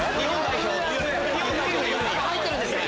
入ってるんですよ。